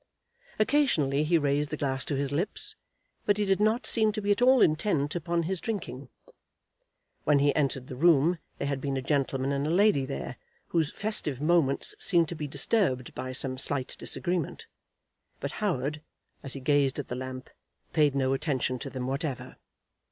Occasionally he raised the glass to his lips, but he did not seem to be at all intent upon his drinking. When he entered the room, there had been a gentleman and a lady there, whose festive moments seemed to be disturbed by some slight disagreement; but Howard, as he gazed at the lamp, paid no attention to them whatever.